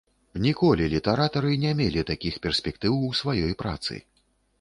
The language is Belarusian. Ніколі літаратары не мелі такіх перспектыў у сваёй працы.